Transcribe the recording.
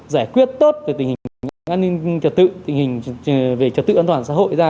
giải quyết tốt về tình hình an ninh trật tự tình hình về trật tự an toàn xã hội ra